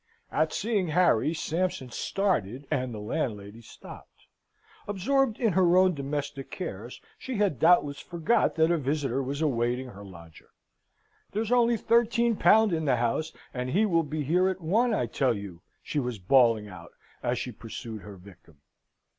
At seeing Harry, Sampson started, and the landlady stopped. Absorbed in her own domestic cares, she had doubtless forgot that a visitor was awaiting her lodger. "There's only thirteen pound in the house, and he will be here at one, I tell you!" she was bawling out, as she pursued her victim.